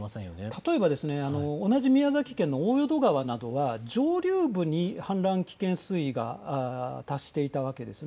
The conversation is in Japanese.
例えば同じ宮崎県の大淀川などは上流部、氾濫危険水位が達していたわけです。